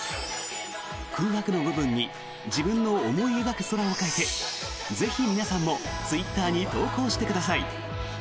空白の部分に自分の思い描く空を描いてぜひ皆さんもツイッターに投稿してください。